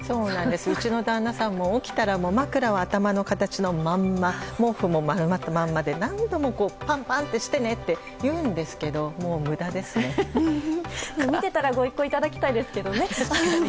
うちの旦那さんも起きたら枕も頭の形のまま毛布も丸まったままで何度もパンパンってしてねって言うんですけど見てたらご一考いただきたいですね。